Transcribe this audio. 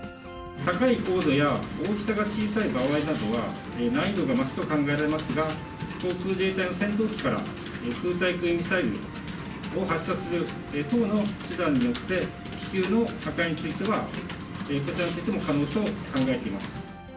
高度や大きさが小さい場合などは、難易度が増すと考えられますが、航空自衛隊の戦闘機から空対空ミサイルを発射する等の手段によって、気球の破壊については、こちらについても可能と考えています。